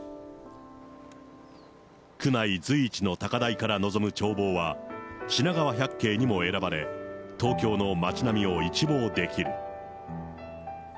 区内随一の高台から臨む眺望は、しながわ百景にも選ばれ、東京の街並みを一望できる。